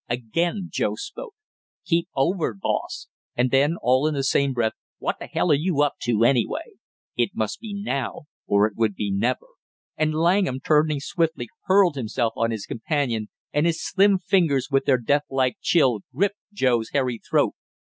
Again Joe spoke: "Keep over, boss!" And then all in the same breath, "What the hell are you up to, anyway?" It must be now or it would be never; and Langham, turning swiftly, hurled himself on his companion, and his slim fingers with their death like chill gripped Joe's hairy throat.